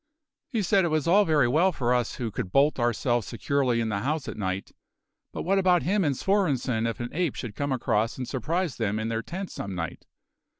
He said it was all very well for us who could bolt ourselves securely in the house at night; but what about him and Svorenssen if an ape should come across and surprise them in their tent some night?